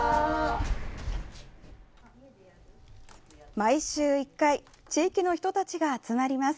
毎週１回地域の人たちが集まります。